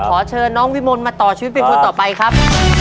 แล้วมาเจอน้องวิมนต์มาต่อชีวิตเป็นคนต่อไปครับ